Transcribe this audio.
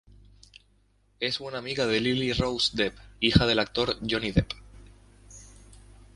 Es buena amiga de Lily-Rose Depp, hija del actor Johnny Depp.